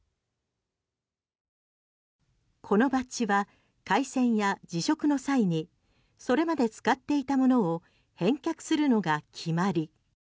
このバッジは改選や辞職の際にそれまで使っていたものを返却するのが決まり。